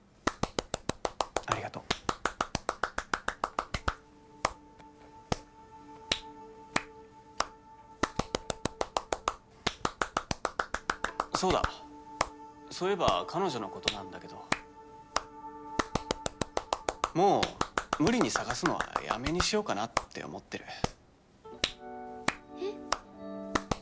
ありがとうそうだそういえば彼女のことなんだけどもう無理に探すのはやめにしようかなって思ってるえっ？